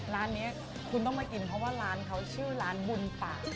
ร้านนี้คุณต้องมากินเพราะว่าร้านเขาชื่อร้านบุญปะ